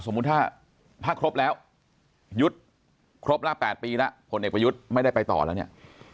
สมมุติถ้าพักครบแล้วยุทธ์ครบละ๘ปีแล้วผลเอกไปยุทธ์ไม่ได้ไปต่อแล้วเนี่ย